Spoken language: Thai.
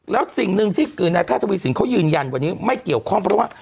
แล้วสิ่งหนึ่งที่คือนายแพทย์ทวีสินเขายืนยันวันนี้ไม่เกี่ยวข้องเพราะว่า